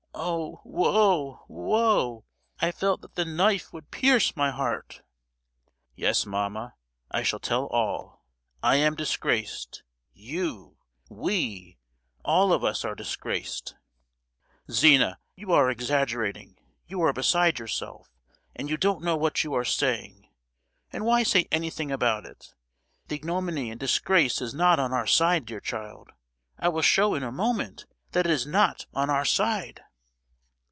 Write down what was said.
Oh! woe, woe! I felt that the knife would pierce my heart!" "Yes, mamma, I shall tell all; I am disgraced, you—we all of us are disgraced——" "Zina, you are exaggerating! you are beside yourself; and you don't know what you are saying. And why say anything about it? The ignominy and disgrace is not on our side, dear child; I will show in a moment that it is not on our side!"